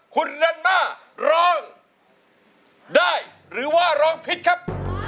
คุณนันมาร้องได้หรือว่าร้องผิดครับ